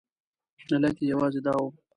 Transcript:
علت یې یوازې دا و.